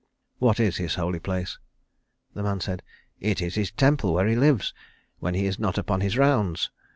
"What is his holy place?" The man said, "It is his temple where he lives when he is not upon his rounds.